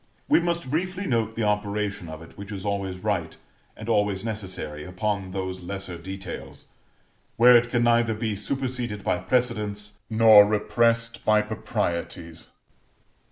We must briefly note the operation of it, which is always right, and always necessary, upon those lesser details, where it can neither be superseded by precedents, nor repressed by proprieties.